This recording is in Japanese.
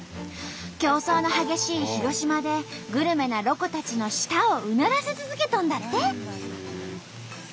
競争の激しい広島でグルメなロコたちの舌をうならせ続けとんだって！